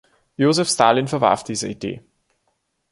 Josef Stalin verwarf diese Idee.